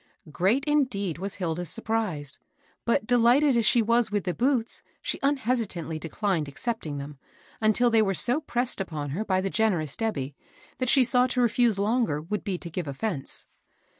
Great indeed was Hilda's surprise. But, de lighted as she was with the boots, she unhesitat ingly declined accepting them, until they were so pressed on her by the generous Debby, that she saw to refuse longer would be to give offence.